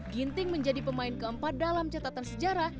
ginting menjadi pemain keempat dalam catatan sejarah